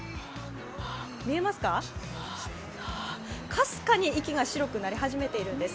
見えますか、かすかに息が白くなり始めているんです。